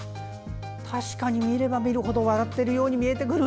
確かに、見れば見るほど笑っているように見えてくる。